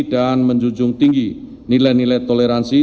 dan menjunjung tinggi nilai nilai toleransi